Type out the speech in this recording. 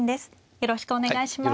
よろしくお願いします。